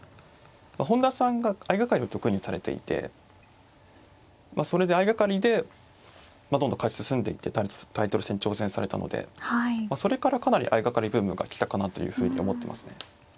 本田さんが相掛かりを得意にされていてそれで相掛かりでどんどん勝ち進んでいってタイトル戦挑戦されたのでそれからかなり相掛かりブームが来たかなというふうに思ってますね。